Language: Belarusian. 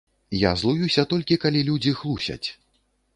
Я злуюся толькі калі людзі хлусяць.